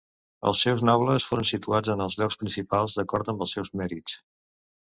Els seus nobles foren situats en els llocs principals d'acord amb els seus mèrits.